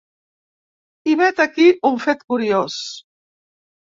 I vet aquí un fet curiós.